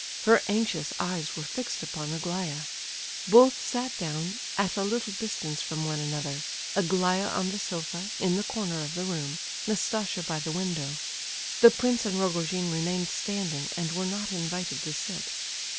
Her anxious eyes were fixed upon Aglaya. Both sat down, at a little distance from one another—Aglaya on the sofa, in the corner of the room, Nastasia by the window. The prince and Rogojin remained standing, and were not invited to sit.